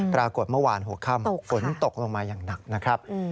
ปรากฏเมื่อวานหกค่ำตกค่ะฝนตกลงมายังหนักนะครับ